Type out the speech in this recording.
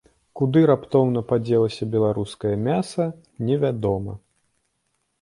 Куды раптоўна падзелася беларускае мяса, невядома.